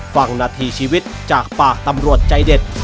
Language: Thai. ฟังนาทีชีวิตจากปากตำรวจใจเด็ด